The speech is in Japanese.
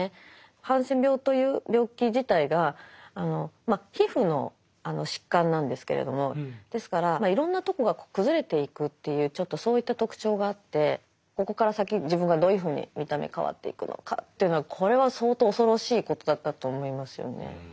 ハンセン病という病気自体が皮膚の疾患なんですけれどもですからいろんなとこが崩れていくというちょっとそういった特徴があってここから先自分がどういうふうに見た目変わっていくのかというのはこれは相当恐ろしいことだったと思いますよね。